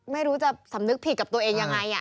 ไม่รู้จะสำนึกผิดกับตัวเองยังไง